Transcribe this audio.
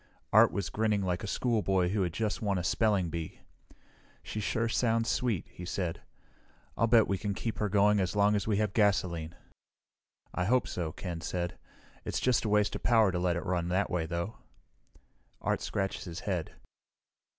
Art was grinning like a schoolboy who had just won a spelling bee. "She sure sounds sweet," he said. "I'll bet we can keep her going as long as we have gasoline." "I hope so," Ken said. "It's just a waste of power to let it run that way, though." Art scratched his head.